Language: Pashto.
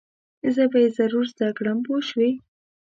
زه به یې ضرور زده کړم پوه شوې!.